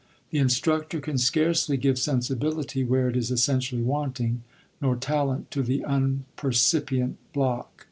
l.ODORL. 39 The instructor can scarcely give sensibility where it is essentially wanting , nor talent to the unpercipient block.